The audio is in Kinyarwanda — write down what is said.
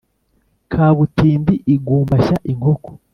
Kabutindi igumbashya inkoko.